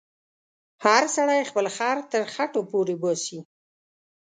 هر سړی خپل خر تر خټو پورې باسې.